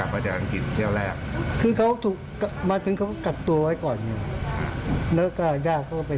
ประมาณ๓เดือนนี้แหละ